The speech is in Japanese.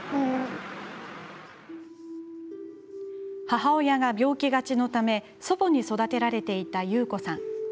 母親が病気がちのため祖母に育てられていたユウコさん。